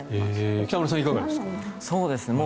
北村さん、いかがですか？